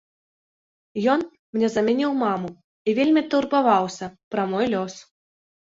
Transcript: Ён мне замяніў маму і вельмі турбаваўся пра мой лёс.